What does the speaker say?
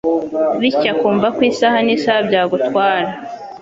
bityo akumva ko isaha n'isaha bagutwara.